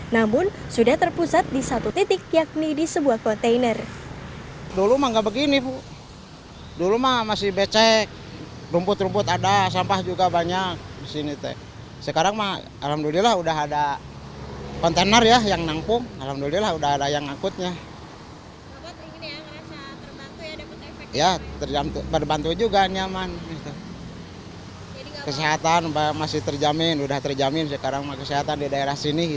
namun sudah terpusat di satu titik yakni di sebuah kontainer